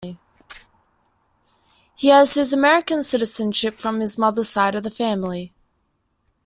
He has American citizenship from his mother's side of the family.